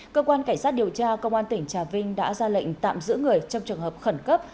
cơ quan cảnh sát điều tra công an tỉnh trà vinh đã ra lệnh tạm giữ người trong trường hợp khẩn cấp